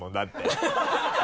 ハハハ